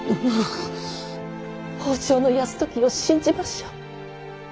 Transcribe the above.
北条泰時を信じましょう。